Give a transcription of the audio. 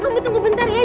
kamu tunggu bentar ya